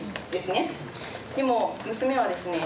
でも娘はですね